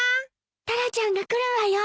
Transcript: タラちゃんが来るわよ。